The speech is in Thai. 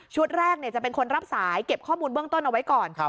แรกจะเป็นคนรับสายเก็บข้อมูลเบื้องต้นเอาไว้ก่อน